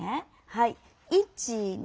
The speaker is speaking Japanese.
はい１２３。